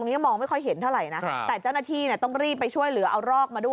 แล้วคือตะโกดเรียกอะไรน่ะบอกว่าคิดถึงใครอะไรยังไงน่ะ